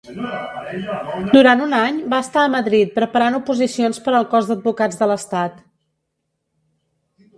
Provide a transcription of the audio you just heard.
Durant un any va estar a Madrid preparant oposicions per al Cos d'Advocats de l'Estat.